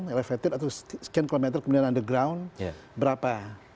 elevated atau sekian kilometer kemudian underground berapa